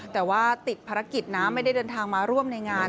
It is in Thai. แต่ว่าติดภารกิจนะไม่ได้เดินทางมาร่วมในงาน